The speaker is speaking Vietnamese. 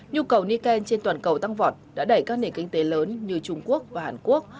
nhu cầu niken trên toàn cầu tăng vọt đã đẩy các nền kinh tế lớn như trung quốc và hàn quốc